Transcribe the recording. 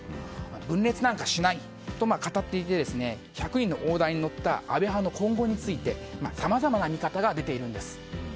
分裂なんかしないと語っていて１００人の大台に乗った安倍派の今後についてさまざまな見方が出ているんです。